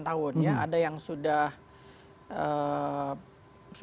ya sebenarnya kasus kasus itu ada yang sudah berulang tahun